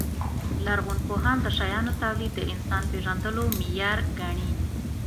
لرغونپوهان د شیانو تولید د انسان پېژندلو معیار ګڼي.